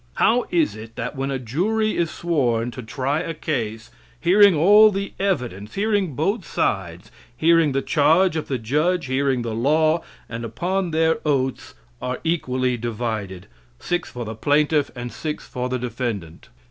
How is it that when a jury is sworn to try a case, hearing all the evidence hearing both sides, hearing the charge of the judge, hearing the law, and upon their oaths, are equally divided, six for the plaintiff and six for the defendant?